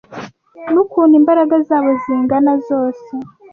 n’ukuntu imbaraga zabo zingana zose